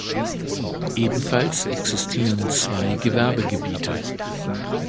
Ebenfalls existieren zwei Gewerbegebiete.